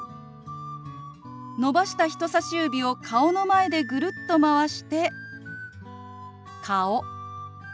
伸ばした人さし指を顔の前でぐるっとまわして「顔」。